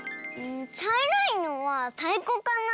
ちゃいろいのはたいこかな？